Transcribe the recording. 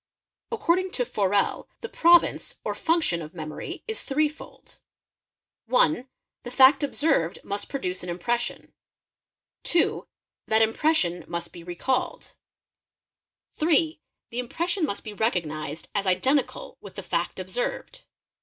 According to Forel, the province or function of memory is three fold ; (1) The fact observed must produce an impression; (2) That impression must be recalled ; MEMORY 73 (3) The impression must be recognised as identical with the fact observed.